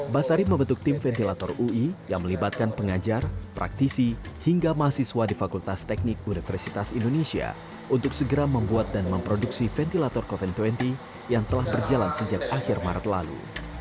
basari membentuk tim ventilator ui yang melibatkan pengajar praktisi hingga mahasiswa di fakultas teknik universitas indonesia untuk segera membuat dan memproduksi ventilator covid dua puluh yang telah berjalan sejak akhir maret lalu